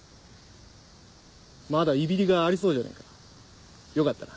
まだいびりがいありそうじゃねえか。よかったな。